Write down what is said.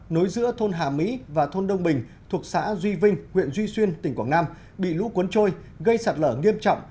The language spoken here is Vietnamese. nối giữa thôn hà mỹ và thôn đông bình thuộc xã duy vinh huyện duy xuyên tỉnh quảng nam bị lũ cuốn trôi gây sạt lở nghiêm trọng